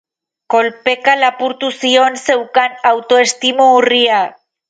Kolpeka lapurtu zion zeukan autoestimu urria.